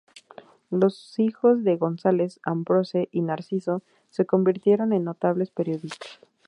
Los hijos de González, Ambrose y Narciso, se convirtieron en notables periodistas.